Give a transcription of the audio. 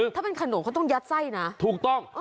ถ้าเป็นขนมเขาต้องยัดไส้นะถูกต้อง